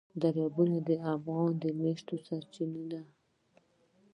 دریابونه د افغانانو د معیشت سرچینه ده.